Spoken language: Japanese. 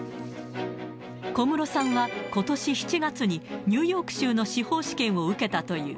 小室さんはことし７月に、ニューヨーク州の司法試験を受けたという。